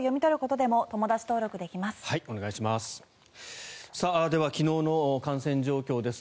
では、昨日の感染状況です。